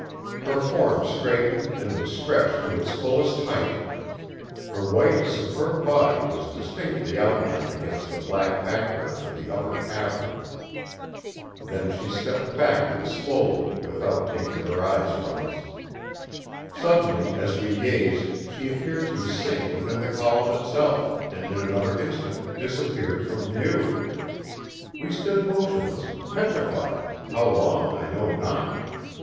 Her form straightened and was stretched to its fullest height; her white, superb body was distinctly outlined against the black background of the upper cavern. Then she stepped backward slowly, without taking her eyes from us. Suddenly as we gazed she appeared to sink within the column itself and in another instant disappeared from view. We stood motionless, petrified; how long I know not.